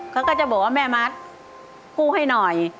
เขาก็จะบอกว่าแม่มัดกู้ให้หน่อย